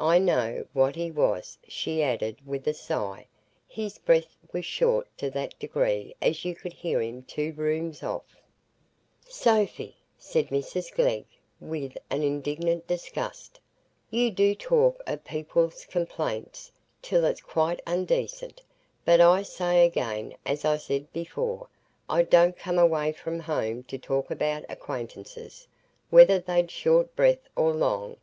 I know what he was," she added, with a sigh; "his breath was short to that degree as you could hear him two rooms off." "Sophy!" said Mrs Glegg, with indignant disgust, "you do talk o' people's complaints till it's quite undecent. But I say again, as I said before, I didn't come away from home to talk about acquaintances, whether they'd short breath or long.